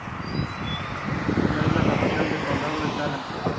Es la capital del condado de Zala.